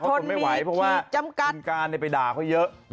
ทนไม่ไหวเพราะว่าคุณการไปด่าเขาเยอะ